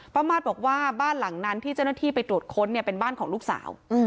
มาสบอกว่าบ้านหลังนั้นที่เจ้าหน้าที่ไปตรวจค้นเนี่ยเป็นบ้านของลูกสาว